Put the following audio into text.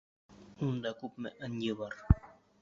Унда күпме ынйы бар!